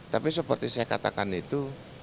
tapi seperti saya katakan itu